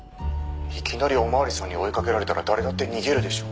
「いきなりお巡りさんに追いかけられたら誰だって逃げるでしょ」